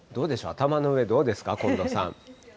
頭の上、どうですか、近藤さん。